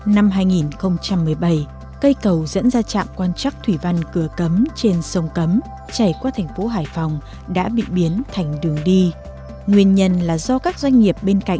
năm hai nghìn một mươi bảy cây cầu dẫn ra trạm quan chắc thủy văn cửa cấm trên sông cấm chảy qua thành phố hải phòng đã bị biến thành đường đi